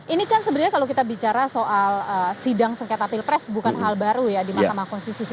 ini kan sebenarnya kalau kita bicara soal sidang sengketa pilpres bukan hal baru ya di mahkamah konstitusi